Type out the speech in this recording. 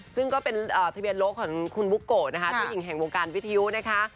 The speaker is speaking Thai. ซึ่งก็เป็นทะเบียนโลกของคุณบุโกะนะคะเจ้าหญิงแห่งวงการวิทยุนะคะ